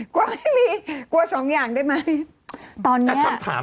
กลัวไม่มีกลัวสองอย่างได้ไหมตอนนี้